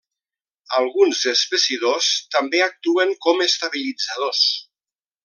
Alguns espessidors també actuen com estabilitzadors.